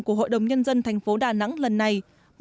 của hội đồng nhân dân tp đà nẵng lần này